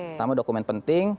pertama dokumen penting